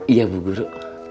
iya bu guru